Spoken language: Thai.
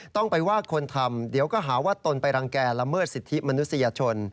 ต้องไปว่าคนทำเดี๋ยวก็หาว่าตนไปรังแก่ละเมิดสิทธิมนุษยชน